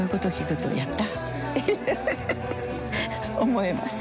思えます。